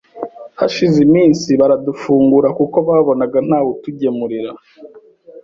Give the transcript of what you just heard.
hashize iminsi baradufungura kuko babonaga nta wutugemurira,